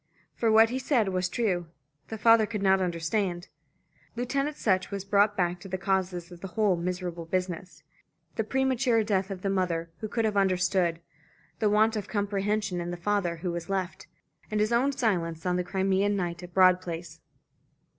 For what he said was true the father could not understand. Lieutenant Sutch was brought back to the causes of the whole miserable business: the premature death of the mother, who could have understood; the want of comprehension in the father, who was left; and his own silence on the Crimean night at Broad Place.